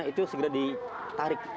itu segera ditarik